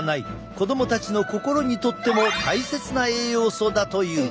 子供たちの心にとっても大切な栄養素だという。